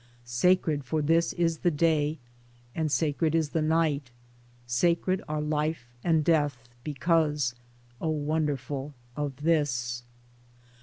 Sacred for this is the Day and sacred is the Night, sacred are Life and Death because, O wonderful, of this